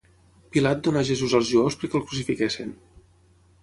Pilat donà Jesús als jueus perquè el crucifiquessin.